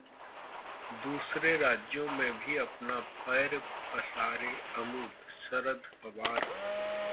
दूसरे राज्यों में भी अपना पैर पसारे अमूलः शरद पवार